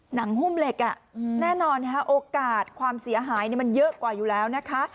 หุ้มเหล็กแน่นอนโอกาสความเสียหายมันเยอะกว่าอยู่แล้วนะคะ